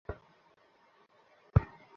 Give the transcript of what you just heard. আসল কহিনূর কোথায়?